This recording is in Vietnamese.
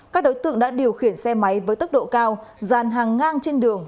các đối tượng đã điều khiển xe máy với tốc độ cao dàn hàng ngang trên đường